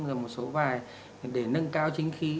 rồi một số bài để nâng cao chính khí